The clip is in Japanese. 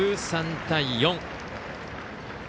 １３対４。